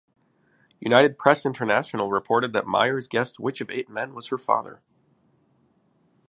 United Press International reported that Myers guessed which of eight men was her father.